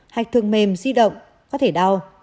hạch thường mềm di động có thể đau